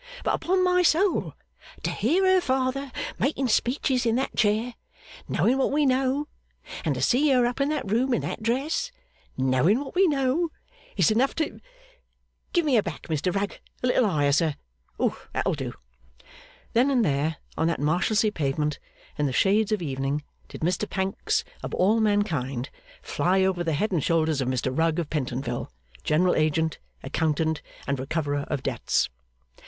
'But upon my soul, to hear her father making speeches in that chair, knowing what we know, and to see her up in that room in that dress, knowing what we know, is enough to give me a back, Mr Rugg a little higher, sir, that'll do!' Then and there, on that Marshalsea pavement, in the shades of evening, did Mr Pancks, of all mankind, fly over the head and shoulders of Mr Rugg of Pentonville, General Agent, Accountant, and Recoverer of Debts.